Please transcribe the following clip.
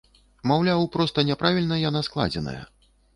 Маўляў, проста няправільна яна складзеная.